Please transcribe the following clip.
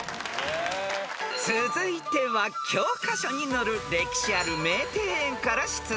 ［続いては教科書に載る歴史ある名庭園から出題］